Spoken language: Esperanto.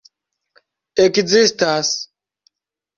ekzistas